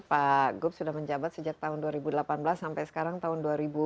pak gup sudah menjabat sejak tahun dua ribu delapan belas sampai sekarang tahun dua ribu sembilan belas